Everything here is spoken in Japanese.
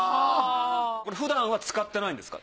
これ普段は使ってないんですか？